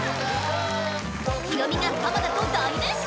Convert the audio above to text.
ヒロミが浜田と大熱唱！